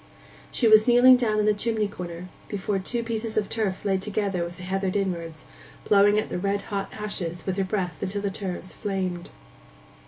She was kneeling down in the chimney corner, before two pieces of turf laid together with the heather inwards, blowing at the red hot ashes with her breath till the turves flamed.